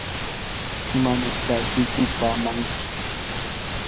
¿imanirta llullapamanki?